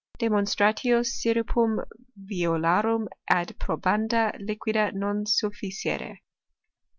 Demonstratio syrupum violarum ad probanda liquida non sufficere.